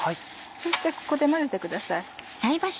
そしてここで混ぜてください。